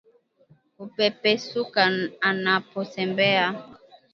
Kupepesuka anapotembea